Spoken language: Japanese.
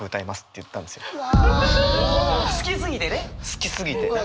好きすぎてね！